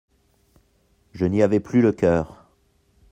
Je n'y avais plus le coeur.